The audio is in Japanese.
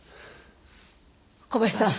小林さん